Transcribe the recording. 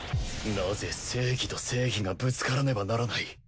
なぜ正義と正義がぶつからねばならない？